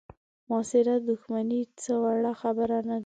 معاصره دوښمني څه وړه خبره نه ده.